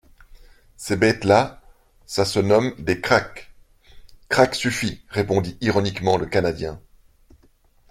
Ces bêtes-là, ça se nomme des krak … —Craque suffit, répondit ironiquement le Canadien.